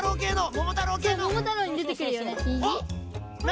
「ももたろう」にでてくるよね。